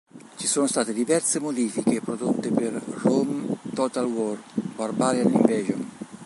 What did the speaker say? Ci sono state diverse modifiche prodotte per "Rome Total War: Barbarian Invasion".